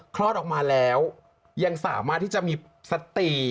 คลอดออกมาแล้วยังสามารถที่จะมีสติ